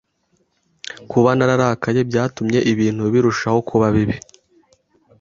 Kuba nararakaye byatumye ibintu birushaho kuba bibi.